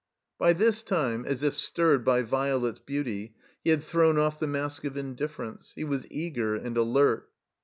By this time, as if stirred by Violet's beauty, he hadthrownoff the mask of indifference; he was eager and alert.